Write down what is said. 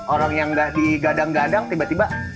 orang yang di gadang gadang tiba tiba